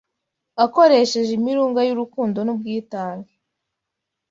akoresheje imirunga y’urukundo n’ubwitange;